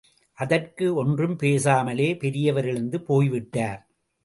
அதற்கு ஒன்றும் பேசாமலே பெரியவர் எழுந்து போய்விட்டார்.